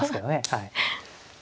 はい。